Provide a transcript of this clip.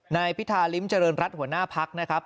นายพิธาริมเจริญรัฐหัวหน้าพักนะครับ